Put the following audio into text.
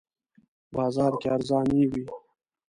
بازار کې ارزانه وی